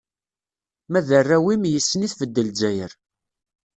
Ma d arraw-im, yis-sen i tbedd Lezzayer.